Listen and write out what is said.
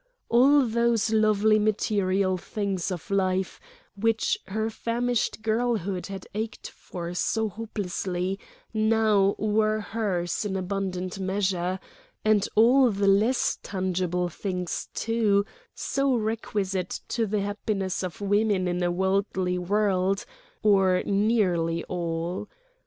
All those lovely material things of life which her famished girlhood had ached for so hopelessly now were hers in abundant measure, and all the less tangible things, too, so requisite to the happiness of women in a worldly world—or nearly all.